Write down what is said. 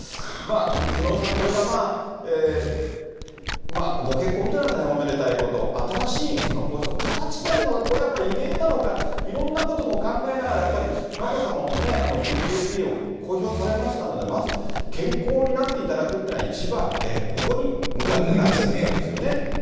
久能さん、これがご結婚というのは大変おめでたいこと、新しい皇室の形であるのが、これ、やっぱり異例なのか、いろんなことも考えながら、眞子さまもね、ＰＴＳＤを公表されましたので、まず健康になっていただくというのが一番で、ここに向かって何をするかですよね。